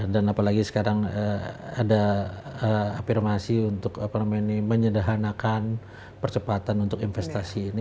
dan apalagi sekarang ada afirmasi untuk apa namanya ini menyedahanakan percepatan untuk investasi